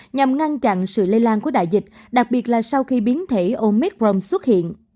nhằm ngăn chặn sự lây lan của đại dịch đặc biệt là sau khi biến thể omicron xuất hiện